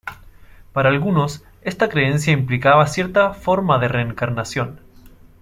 Para algunos, esta creencia implicaba cierta forma de reencarnación.